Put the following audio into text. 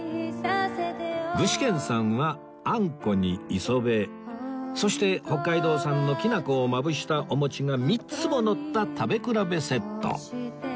具志堅さんはあんこに磯辺そして北海道産のきな粉をまぶしたお餅が３つものった食べ比べセット